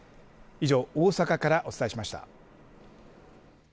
以上、大阪からお伝えしました。